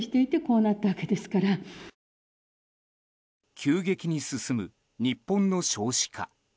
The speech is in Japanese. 急激に進む日本の少子化。